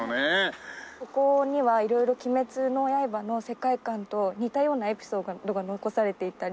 ここには色々『鬼滅の刃』の世界観と似たようなエピソードが残されていたり。